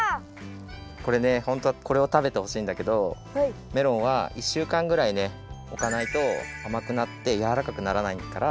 これねホントはこれを食べてほしいんだけどメロンは１週間ぐらいねおかないとあまくなってやわらかくならないから。